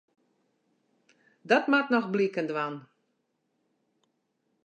Dat moat noch bliken dwaan.